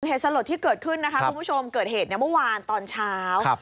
เหตุสลดที่เกิดขึ้นนะคะคุณผู้ชมเกิดเหตุเนี่ยเมื่อวานตอนเช้า